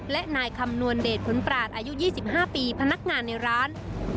และนายคำนวณเดชขุนปราศอายุ๒๕ปีพนักงานในร้าน